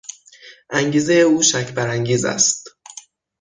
انگیزهی او شک برانگیز است.